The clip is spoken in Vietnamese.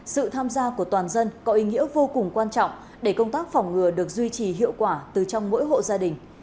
sự tham gia của toàn dân có ý nghĩa vô cùng quan trọng để công tác phòng ngừa được duy trì hiệu quả từ trong mỗi hộ gia đình